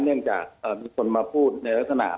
เนื่องจากมีคนมาพูดในลักษณะ